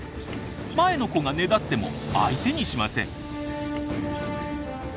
前の子がねだっても相手にしません。